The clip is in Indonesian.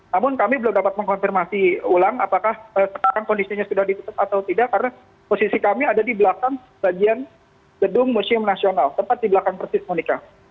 namun kami belum dapat mengkonfirmasi ulang apakah sekarang kondisinya sudah ditutup atau tidak karena posisi kami ada di belakang bagian gedung museum nasional tempat di belakang persis monika